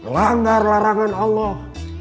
langgar larangan allah